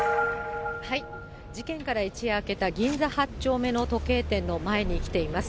事件から一夜明けた銀座８丁目の時計店の前に来ています。